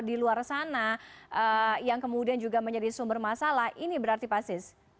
kalau di luar sana yang kemudian juga menjadi sumber masalah ini berarti pasis